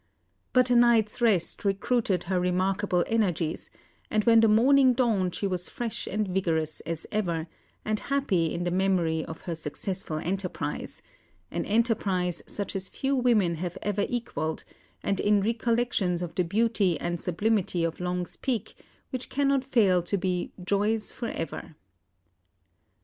But a night's rest recruited her remarkable energies, and when the morning dawned she was fresh and vigorous as ever, and happy in the memory of her successful enterprise an enterprise such as few women have ever equalled and in recollections of the beauty and sublimity of Long's Peak, which cannot fail to be "joys for ever."